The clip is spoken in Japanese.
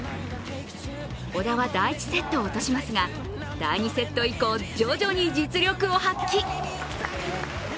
小田は第１セットを落としますが第２セット以降、徐々に実力を発揮。